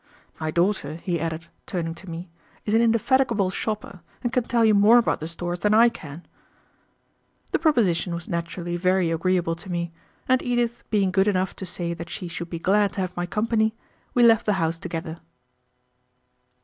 "My daughter," he added, turning to me, "is an indefatigable shopper, and can tell you more about the stores than I can." The proposition was naturally very agreeable to me, and Edith being good enough to say that she should be glad to have my company, we left the house together.